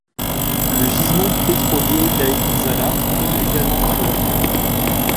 Le gisement pétrolier d'Aïn Zalah tombe également entre leurs mains.